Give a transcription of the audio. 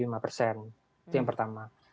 itu yang pertama